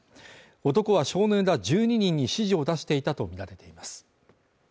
男は少年ら１２人に指示を出していたとみられています。